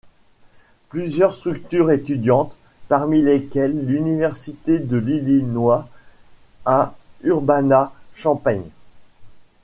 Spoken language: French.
Plusieurs structures étudiantes, parmi lesquelles l'université de l'Illinois à Urbana-Champaign.